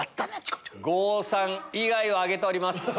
郷さん以外挙げております。